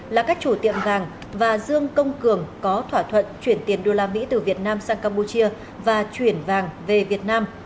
là các chủ tiệm vàng và dương công cường có thỏa thuận chuyển tiền đô la mỹ từ việt nam sang campuchia và chuyển vàng về việt nam